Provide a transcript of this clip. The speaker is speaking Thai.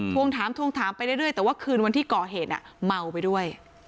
วงถามทวงถามไปเรื่อยแต่ว่าคืนวันที่ก่อเหตุเมาไปด้วย